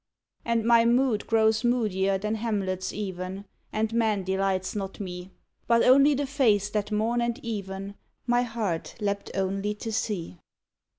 And my mood grows moodier than Hamlet's even, And man delights not me, But only the face that morn and even My heart leapt only to see.